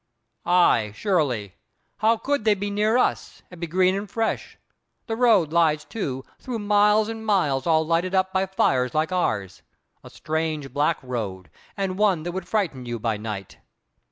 "Ay, surely. How could they be near us, and be green and fresh? The road lies, too, through miles and miles all lighted up by fires like ours—a strange, black road, and one that would frighten you by night."